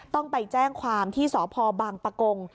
ต้องไปแจ้งความที่สพบังปะกง